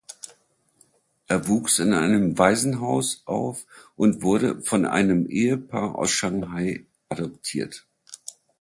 Er wuchs in einem Waisenhaus auf und wurde von einem Ehepaar aus Shanghai adoptiert.